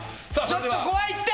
ちょっと怖いって！